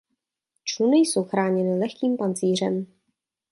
Čluny jsou chráněny lehkým pancířem.